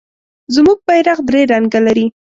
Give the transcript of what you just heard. زمونږ بیرغ درې رنګه لري.